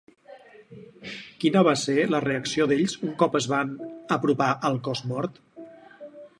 Quina va ser la reacció d'ells un cop es van apropar al cos mort?